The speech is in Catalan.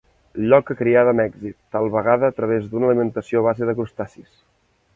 Lloca criada amb èxit, tal vegada a través d'una alimentació a base de crustacis.